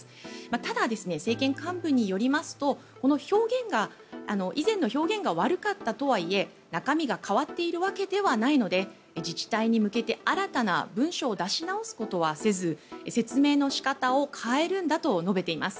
ただ、政権幹部によりますとこの表現が以前の表現が悪かったとはいえ中身が変わっているわけではないので自治体に向けて新たな文書を出し直すことはせず説明の仕方を変えるんだと述べています。